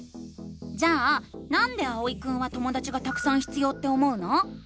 じゃあ「なんで」あおいくんはともだちがたくさん必要って思うの？